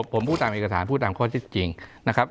ผมพูดตามเอกสารพูดตามข้อที่จริงนะครับ